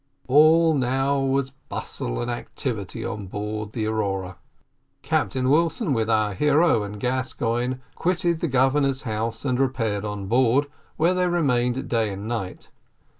All was now bustle and activity on board of the Aurora. Captain Wilson, with our hero and Gascoigne, quitted the Governor's house and repaired on board, where they remained day and night.